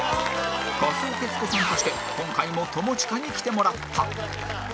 仮想・徹子さんとして今回も友近に来てもらった